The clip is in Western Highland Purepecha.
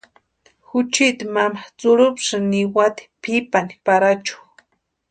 Juchiti mama tsʼurupsi niwati pʼipani Parachu.